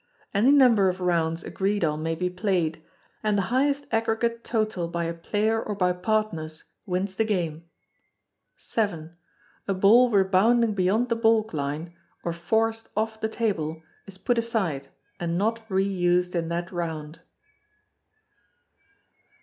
Any number of rounds agreed on may be played, and the highest aggregate total by a player or by partners wins the game. vii. A ball rebounding beyond the baulk line, or forced off the table, is put aside and not re used in that round.